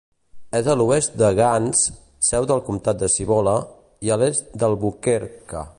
És a l'oest de Grants, seu del comtat de Cibola, i a l'est d'Albuquerque.